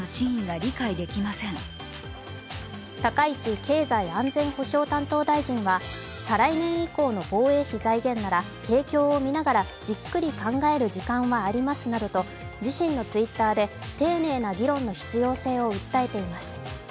高市経済安全保障担当大臣は、再来年以降の防衛費財源なら景況をみながらじっくり考える時間はありますなどと自身のＴｗｉｔｔｅｒで丁寧な議論の必要性を訴えています。